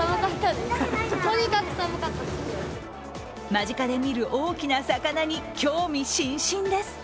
間近で見る大きな魚に興味津々です。